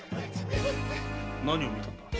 何を見たんだ？